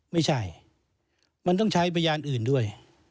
ไม่ใช่มันต้องใช้พยานอื่นด้วย